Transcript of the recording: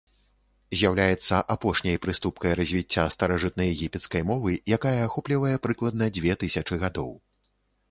З'яўляецца апошняй прыступкай развіцця старажытнаегіпецкай мовы, якая ахоплівае прыкладна дзве тысячы гадоў.